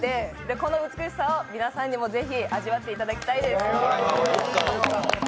この美しさを皆さんにもぜひ味わっていただきたいです。